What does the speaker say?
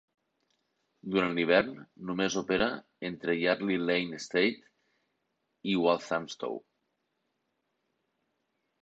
Durant l'hivern només opera entre Yardley Lane Estate i Walthamstow.